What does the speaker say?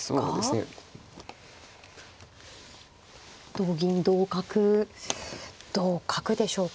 同銀同角同角でしょうか。